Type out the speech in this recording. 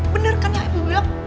bener kan ibu bilang